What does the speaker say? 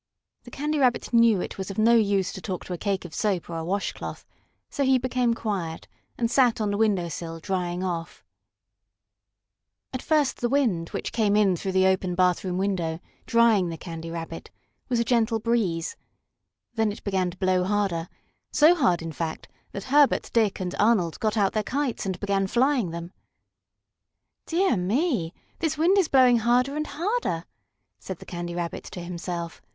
The Candy Rabbit knew it was of no use to talk to a cake of soap or a wash cloth, so he became quiet and sat on the window sill, drying off. [Illustration: "Hello There, Mr. Sponge!" Said Candy Rabbit. Page 90] At first the wind, which came in through the open bathroom window, drying the Candy Rabbit, was a gentle breeze. Then it began to blow harder, so hard, in fact, that Herbert, Dick and Arnold got out their kites and began flying them. "Dear me! this wind is blowing harder and harder," said the Candy Rabbit to himself.